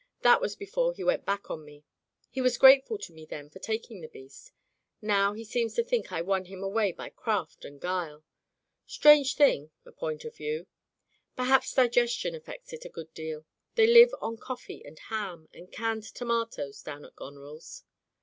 That was be fore he went back on me. He was grateful to me then for taking the beast. Now he seems to think I won him away by craft and guile. Strange thing, a point of view! Perhaps diges tion affects it a good deal. They live on cof fee and ham and canned tomatoes down at Gonerirs."